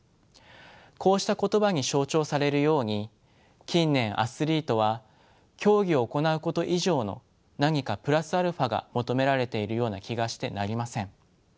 こうした言葉に象徴されるように近年アスリートは競技を行うこと以上の何かプラスアルファが求められているような気がしてなりません。